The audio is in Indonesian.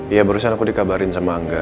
ya barusan aku dikabarin sama enggak